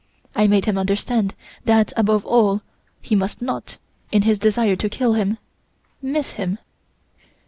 I made him understand that, above all, he must not, in his desire to kill him, miss him.